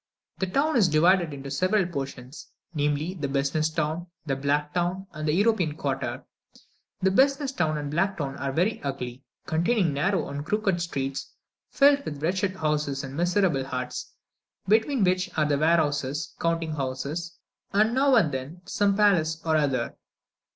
The town is divided into several portions namely, the Business town, the Black town, and the European quarter. The Business town and Black town are very ugly, containing narrow, crooked streets, filled with wretched houses and miserable huts, between which there are warehouses, counting houses, and now and then some palace or other.